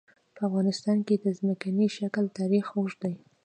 په افغانستان کې د ځمکنی شکل تاریخ اوږد دی.